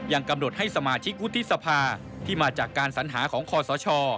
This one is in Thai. ยังกำหนดให้สมาชิกวุฒิสภาที่มาจากการสัญหาของคอสช